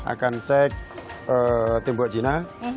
akan cek timbuk jina